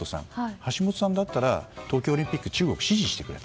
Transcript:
橋本さんだったら東京オリンピックを中国は支持してくれた。